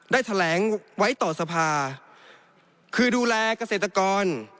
ได้แถลงไว้ต่อสภาคือดูแลเกษตรกร